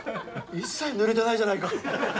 一切ぬれてないじゃないか。